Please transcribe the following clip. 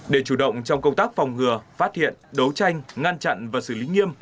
để chủ động trong công tác phòng ngừa phát hiện đấu tranh ngăn chặn và xử lý nghiêm